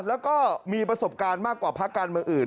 แล้วก็มีประสบการณ์มากกว่าพักการเมืองอื่น